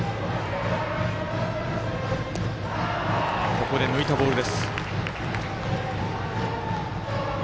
ここで抜いたボール。